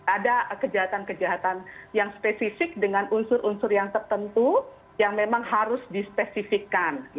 ada kejahatan kejahatan yang spesifik dengan unsur unsur yang tertentu yang memang harus dispesifikan